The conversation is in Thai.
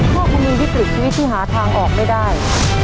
ถ้าคุณมีวิกฤตชีวิตที่หาทางออกไม่ได้